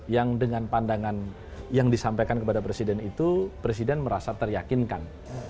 yang dengan pandangan yang disampaikan kepada presiden itu presiden merasa teryakinkan